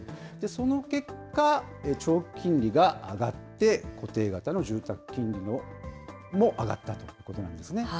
その結果、長期金利が上がって、固定型の住宅金利も上がったということなんですね。